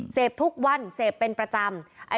เสพทุกวันเสพเป็นประจำ